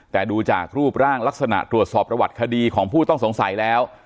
แต่ดูจากรูปร่างลักษณะตรวจสอบประวัติคดีของผู้ต้องสงสัยแล้ว